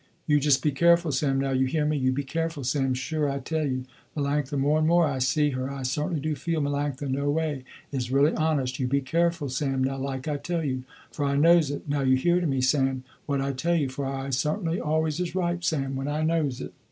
You just be careful, Sam, now you hear me, you be careful Sam sure, I tell you, Melanctha more and more I see her I certainly do feel Melanctha no way is really honest. You be careful, Sam now, like I tell you, for I knows it, now you hear to me, Sam, what I tell you, for I certainly always is right, Sam, when I knows it."